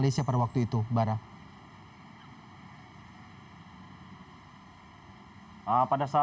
lalu bisa anda ceritakan bagaimana anda akhirnya bisa diselamatkan oleh polisi di rajamakala